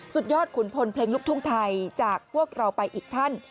สุดยอดขุนพลเพลงลูกทุ่งไทยจากพวกเราไปอีกท่าน